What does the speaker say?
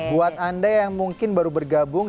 buat anda yang mungkin baru bergabung